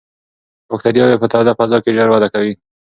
باکتریاوې په توده فضا کې ژر وده کوي.